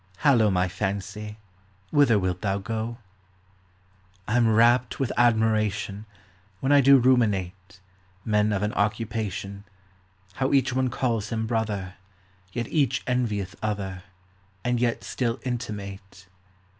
Hallo, my fancy, whither wilt thou go ? I 'm rapt with admiration, When I do ruminate, Men of an occupation, How each one calls him brother, Yet each envieth other, And yet still intimate